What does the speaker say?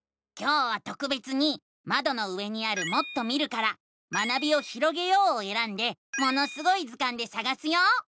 今日はとくべつにまどの上にある「もっと見る」から「学びをひろげよう」をえらんで「ものすごい図鑑」でさがすよ。